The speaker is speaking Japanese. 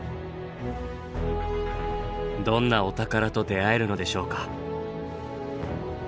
どんなお宝と出会えるのでしょうか。